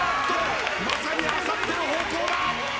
まさにあさっての方向だ。